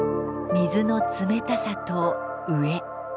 水の冷たさと飢え。